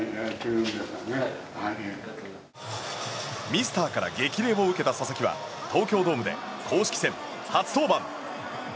ミスターから激励を受けた佐々木は東京ドームで公式戦初登板。